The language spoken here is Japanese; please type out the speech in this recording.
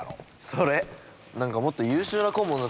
それ。